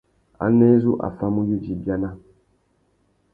Anē zu a famú yudza ibiana?